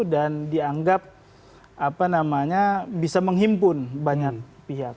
dan dianggap apa namanya bisa menghimpun banyak pihak